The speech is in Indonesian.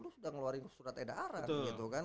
sudah ngeluarin surat eda arah gitu kan